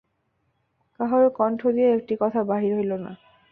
কাহারো কণ্ঠ দিয়া একটি কথা বাহির হইল না।